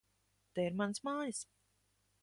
Te ir manas mājas!